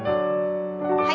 はい。